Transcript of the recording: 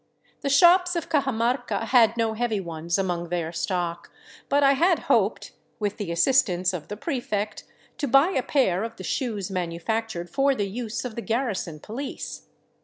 The shops of Cajamarca had no heavy ones among their stock, but I had hoped, with the assistance of the prefect, to buy a pair of the shoes manufac tured for the use of the garrison police.